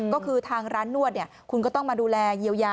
ก็คือทางร้านนวดคุณก็ต้องมาดูแลเยียวยา